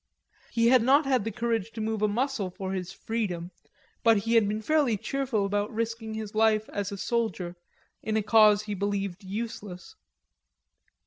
He had not had the courage to move a muscle for his freedom, but he had been fairly cheerful about risking his life as a soldier, in a cause he believed useless.